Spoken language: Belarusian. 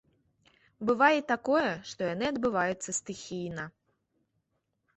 Бывае і такое, што яны адбываюцца стыхійна.